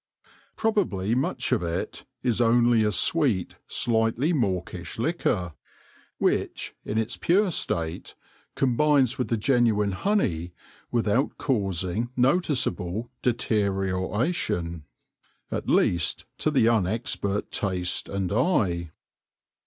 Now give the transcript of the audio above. Probably much of it is only a sweet, slightly mawkish liquor, which, in its pure state, combines with the genuine honey without causing noticeable deterioration, at least to the unexpert taste and eye.